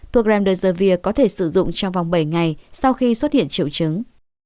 thuốc rendeservir có thể sử dụng trong vòng bảy ngày sau khi xuất hiện triệu chứng